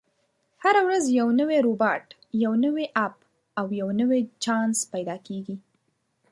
هره ورځ یو نوی روباټ، یو نوی اپ، او یو نوی چانس پیدا کېږي.